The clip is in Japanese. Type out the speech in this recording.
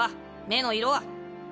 目の色は？